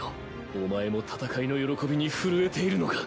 お前も戦いの喜びに震えているのか。